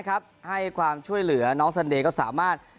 ให้ความช่วยเหลือน้องซันเดย์ก็สามารถ